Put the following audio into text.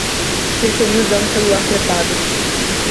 Preferiu usar um celular pré-pago